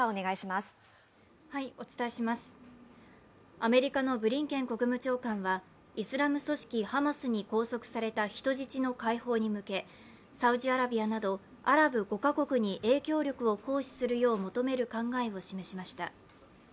アメリカのブリンケン国務長官はイスラム組織・ハマスに拘束された人質の解放に向け、サウジアラビアなどアラブ５か国に影響力を行使するよう求める考えを示しました。